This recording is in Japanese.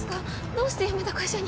どうして辞めた会社に？